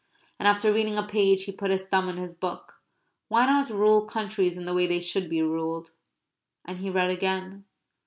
And after reading a page he put his thumb in his book. Why not rule countries in the way they should be ruled? And he read again.